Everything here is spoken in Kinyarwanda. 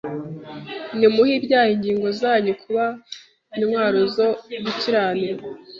ntimuhe ibyaha ingingo zanyu kuba intwaro zo gukiranirwa: